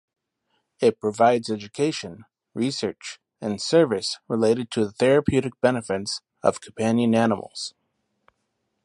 It provides education, research, and service related to the therapeutic benefits of companion animals.